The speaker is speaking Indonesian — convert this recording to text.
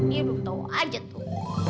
iya udah tau aja tuh